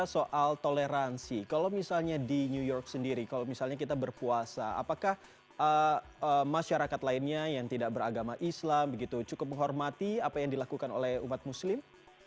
soal toleransi kalau misalnya di new york sendiri kalau misalnya kita berpuasa apakah masyarakat lainnya yang tidak beragama islam begitu cukup menghormati apa yang dilakukan oleh umat muslim